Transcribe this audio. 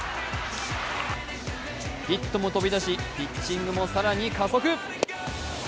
ヒットも飛び出し、ピッチングも更に加速。